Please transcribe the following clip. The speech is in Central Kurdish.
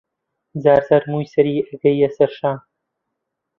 جارجار مووی سەری ئەگەییە سەر شان